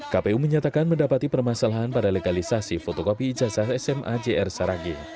kpu menyatakan mendapati permasalahan pada legalisasi fotokopi ijazah sma jr saragi